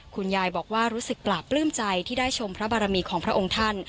คุณยายบอกว่ารู้สึกปลาปลื้มใจที่ได้ชมพระบารมีของพระองค์ท่าน